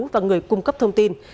và người cung cấp thông tin